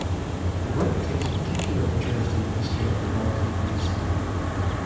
The work takes particular interest in the history of the Balkan peninsula.